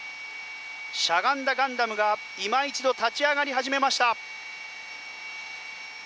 しゃがんだガンダムがいま一度立ち上がり始めました。